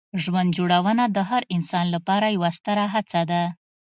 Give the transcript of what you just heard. ژوند جوړونه د هر انسان لپاره یوه ستره هڅه ده.